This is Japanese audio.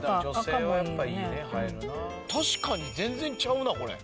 確かに全然ちゃうなこれ。